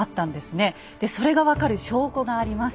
それが分かる証拠があります。